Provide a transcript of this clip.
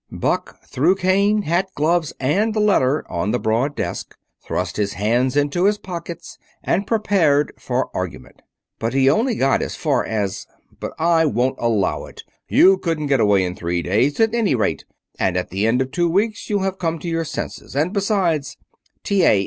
Buck threw cane, hat, gloves, and letter on the broad desk, thrust his hands into his pockets, and prepared for argument. But he got only as far as: "But I won't allow it! You couldn't get away in three days, at any rate. And at the end of two weeks you'll have come to your senses, and besides " "T. A.